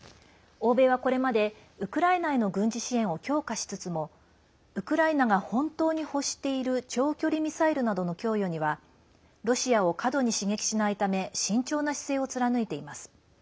欧米は、これまでウクライナへの軍事支援を強化しつつもウクライナが本当に欲している長距離ミサイルなどの供与にはロシアを過度に刺激しないため慎重な姿勢を貫いています。